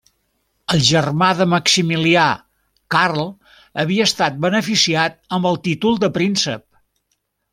El germà de Maximilià, Karl havia estat beneficiat amb el títol de príncep.